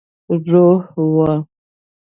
روح وو.